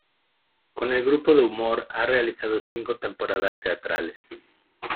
Con el grupo de humor, ha realizado cinco temporadas teatrales.